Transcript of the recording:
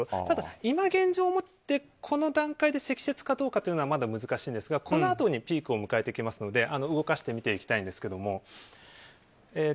ただ、今現状を持ってこの段階で積雪かどうかというのはまだ難しいんですがこのあとにピークを迎えてきますので動かして見ていきます。